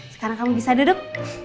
sekarang kamu bisa duduk